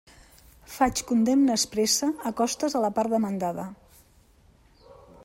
Faig condemna expressa a costes a la part demandada.